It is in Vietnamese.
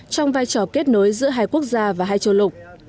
trong vai trò kết nối giữa hai quốc gia và hai châu lục